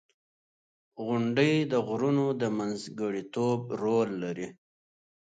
• غونډۍ د غرونو د منځګړیتوب رول لري.